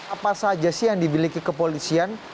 apa saja sih yang dimiliki kepolisian